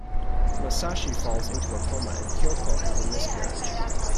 Masashi falls into a coma and Kyoko has a miscarriage.